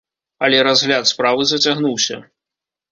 Але разгляд справы зацягнуўся.